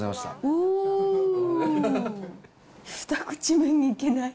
うーん、２口目にいけない。